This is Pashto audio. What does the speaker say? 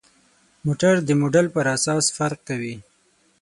موټر د موډل پر اساس فرق کوي.